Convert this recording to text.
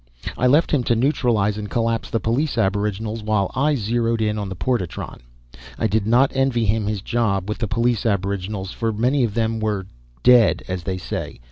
I left him to neutralize and collapse the police aboriginals while I zeroed in on the portatron. I did not envy him his job with the police aboriginals, for many of them were "dead," as they say.